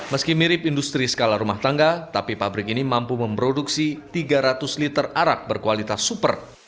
meski mirip industri skala rumah tangga tapi pabrik ini mampu memproduksi tiga ratus liter arak berkualitas super